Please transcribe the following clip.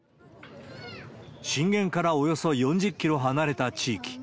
震源からおよそ４０キロ離れた地域。